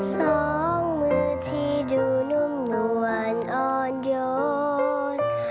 สองมือที่ดูนุ่มนวลอ่อนโยน